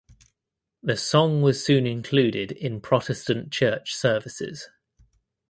The song was soon included in Protestant church services.